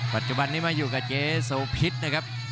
ปัจจุบันนี้มาอยู่กับเจ๊โสพิษนะครับ